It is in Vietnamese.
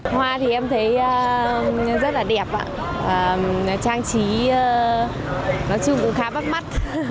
hoa thì em thấy rất là đẹp ạ trang trí nói chung cũng khá bắt mắt